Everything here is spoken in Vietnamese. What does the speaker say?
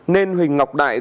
nên huỳnh ngọc đại